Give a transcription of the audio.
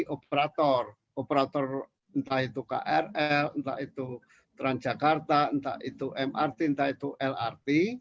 operator operator entah itu krl entah itu transjakarta entah itu mrt entah itu lrt